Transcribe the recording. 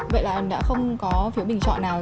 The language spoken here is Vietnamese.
vậy là đã không có phiếu bình chọn nào